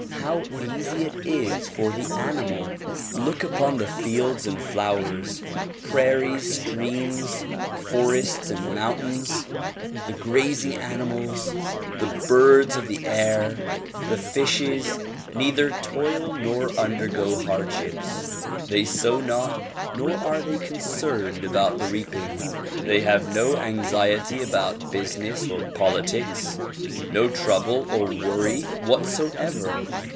How easy it is for the animal. Look upon the fields and flowers, prairies, streams, forests and mountains. The grazing animals, the birds of the air, the fishes neither toil nor undergo hardships ; they sow not nor are they concerned about the reaping ; they have no anxiety about business or politics ; no trouble or worry whatsoever.